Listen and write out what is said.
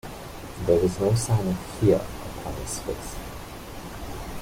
There was no sign of fear upon his face.